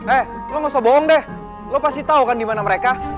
eh lo gak usah bohong deh lo pasti tau kan di mana mereka